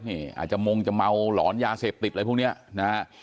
นี่อาจจะมงจะเมาหลอนยาเสพติดอะไรพวกนี้นะฮะ